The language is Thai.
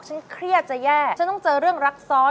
เครียดจะแย่ฉันต้องเจอเรื่องรักซ้อน